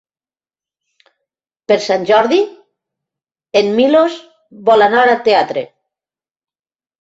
Per Sant Jordi en Milos vol anar al teatre.